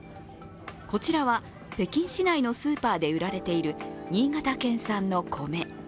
こちらは北京市内のスーパーで売られている新潟県産の米。